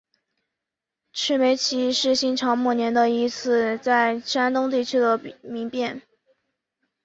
赤眉起义是新朝末年的一次在山东地区的民变。